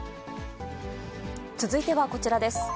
続いてはこちらです。